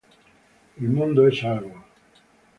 Il mondo è salvo.